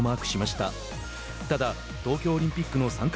ただ、東京オリンピックの参加